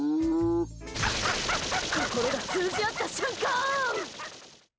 心が通じ合った瞬間！